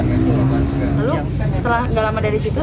lalu setelah gak lama dari situ